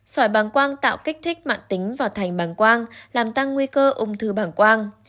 sỏi bàng quang tạo kích thích mạng tính vào thành bằng quang làm tăng nguy cơ ung thư bảng quang